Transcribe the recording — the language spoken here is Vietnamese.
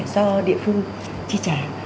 do địa phương chi trả